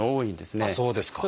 そうですね。